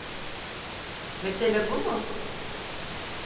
Mesele bu mu?